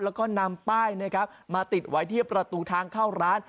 แล้วก็นำป้ายนะครับมาติดไว้ที่ประตูทางเข้าร้าน